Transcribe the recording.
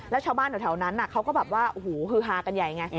แล้วชาวบ้านแถวนั้นเขาก็แบบว่าโอ้โหฮือฮากันใหญ่ไง